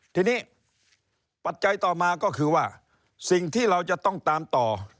ทีนี้ปัจจัยต่อมาก็คือว่าสิ่งที่เราจะต้องตามต่อ